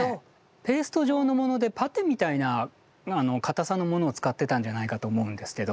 ペースト状のものでパテみたいなかたさのものを使ってたんじゃないかと思うんですけど。